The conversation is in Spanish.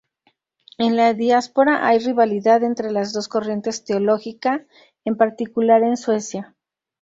En la diáspora hay rivalidad entre las dos corrientes teológica, en particular en Suecia.